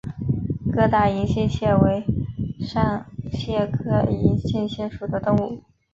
疙瘩银杏蟹为扇蟹科银杏蟹属的动物。